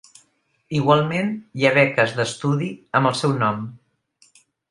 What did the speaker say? Igualment hi ha beques d'estudi amb el seu nom.